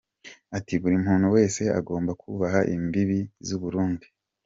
Ati "Buri muntu wese agomba kubaha imbibi z’u Burundi.